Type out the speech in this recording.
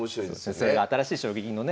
それが新しい将棋のね